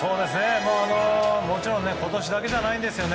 もちろん今年だけじゃないんですね。